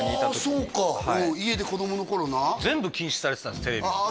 そうか家で子供の頃な全部禁止されてたんですテレビ